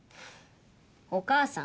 お母さん